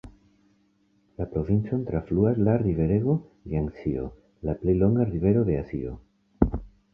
La provincon trafluas la riverego Jangzio, la plej longa rivero de Azio.